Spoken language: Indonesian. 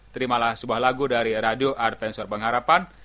terimalah sebuah lagu dari radio arvensuar pengharapan